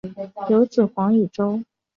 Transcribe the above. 有子黄以周。